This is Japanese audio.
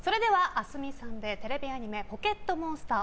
ａｓｍｉさんでテレビアニメ「ポケットモンスター」